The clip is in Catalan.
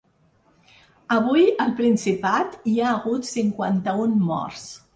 Avui al Principat hi ha hagut cinquanta-un morts.